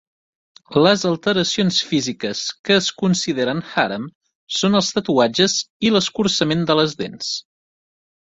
Les alteracions físiques que es consideren hàram són els tatuatges i l'escurçament de les dents.